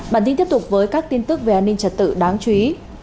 bản tin tiếp tục với các tin tức về an ninh trật tự đáng chú ý